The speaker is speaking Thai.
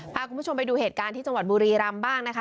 พาคุณผู้ชมไปดูเหตุการณ์ที่จังหวัดบุรีรำบ้างนะคะ